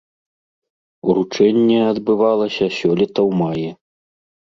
Уручэнне адбывалася сёлета ў маі.